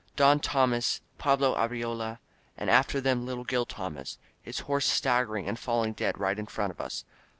Don Tomas, Pablo Arriola, and after them little Gil Tomas, his horse staggering and falling dead right in front of us.